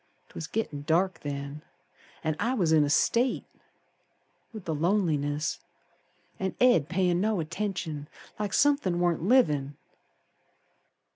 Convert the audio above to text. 'Twas gittin' dark then, An' I was in a state, With the loneliness An' Ed payin' no attention Like somethin' warn't livin'.